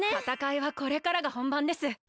たたかいはこれからがほんばんです。